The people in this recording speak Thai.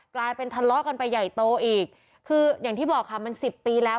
กลายเป็นทะเลาะกันไปใหญ่โตอีกคืออย่างที่บอกค่ะมันสิบปีแล้ว